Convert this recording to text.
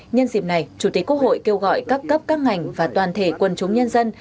nhân dịp này chủ tịch quốc hội kêu gọi các cấp các ngành và toàn thể quần chúng nhân dân